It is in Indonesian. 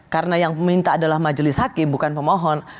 karena yang meminta adalah majelis hakim bukan pemohon